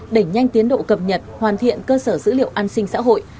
đẩy nhanh tiến độ cập nhật hoàn thiện cơ sở dữ liệu an sinh xã hội